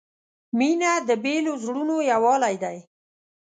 • مینه د بېلو زړونو یووالی دی.